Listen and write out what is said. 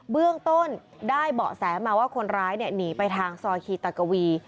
เบื้องต้นได้เบาะแสมาว่าคนร้ายหนีไปทางซอยคีตากวี